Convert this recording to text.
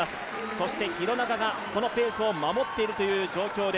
そして廣中がこのペースを守っている状況。